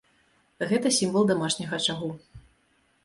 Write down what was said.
Гэта сімвал дамашняга ачагу.